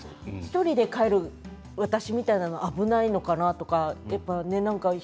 １人で帰る私みたいなのは危ないのかなって。